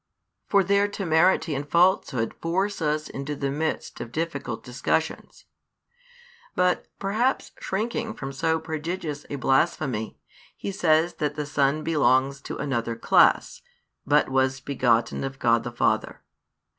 For their temerity and falsehood force us into the midst of difficult discussions. But, perhaps shrinking from so prodigious a blasphemy, he says that the Son belongs to another class, but was begotten of God the Father.